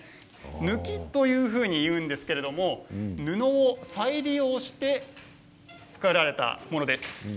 ぬきと言うんですけれども布を再利用して作られたものです。